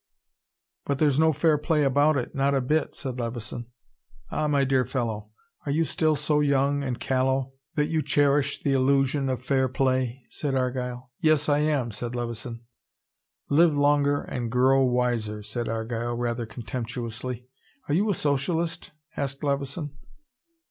"But there's no fair play about it, not a bit," said Levison. "Ah, my dear fellow, are you still so young and callow that you cherish the illusion of fair play?" said Argyle. "Yes, I am," said Levison. "Live longer and grow wiser," said Argyle, rather contemptuously. "Are you a socialist?" asked Levison.